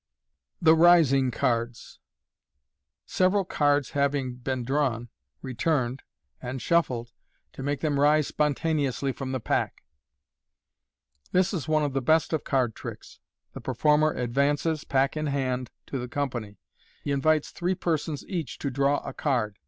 Thb Rising Cards (La Hou/etteJ. — Several Cards having BEEN DRAWN, RETURNED, AND SHUFFLED, TO MAKE THEM RISE spontaneously from the Pack. — This is one of the best of card tricks. The performer advances, pack in hand, to the company. He invites three persons each to draw a card.